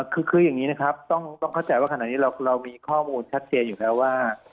คืออย่างนี้นะครับต้องเข้าใจว่าขณะนี้เรามีข้อมูลชัดเจนอยู่แล้วว่า